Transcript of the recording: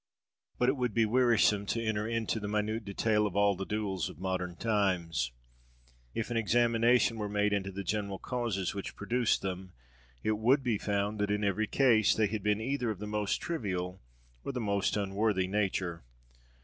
But it would be wearisome to enter into the minute detail of all the duels of modern times. If an examination were made into the general causes which produced them, it would be found that in every case they had been either of the most trivial or the most unworthy nature.